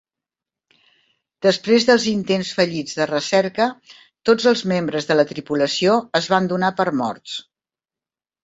Després dels intents fallits de recerca, tots els membres de la tripulació es van donar per morts.